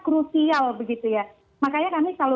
krusial begitu ya makanya kami selalu